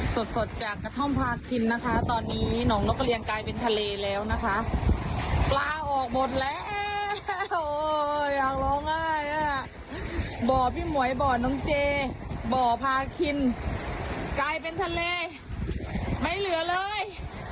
สดสดจากกระท่อมพาคินนะคะตอนนี้หนองนกกระเรียงกลายเป็นทะเลแล้วนะคะปลาออกหมดแล้วอยากร้องไห้อ่ะบ่อพี่หมวยบ่อน้องเจบ่อพาคินกลายเป็นทะเลไม่เหลือเลย